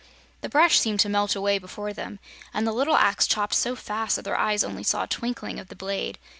The brush seemed to melt away before them and the little axe chopped so fast that their eyes only saw a twinkling of the blade.